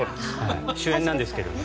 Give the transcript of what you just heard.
主演なんですけどね。